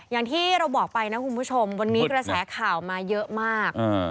อย่างที่เราบอกไปนะคุณผู้ชมวันนี้กระแสข่าวมาเยอะมาก